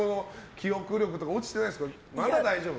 記憶力とか落ちてないですかまだ大丈夫？